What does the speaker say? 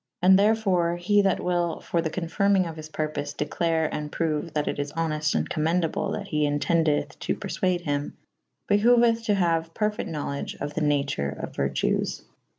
And therfore he that wyll for [D iiii a] the confyrming of his purpofe declare and proue that it is honeft and commendable that he e«tendeth to p^rfuade hym : behoueth to haue perfyte knowlege of the natures of vertues.